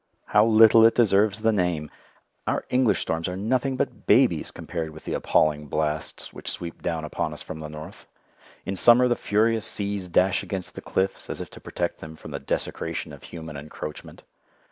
How little it deserves the name! Our English storms are nothing but babies compared with the appalling blasts which sweep down upon us from the north. In summer the furious seas dash against the cliffs as if to protect them from the desecration of human encroachment.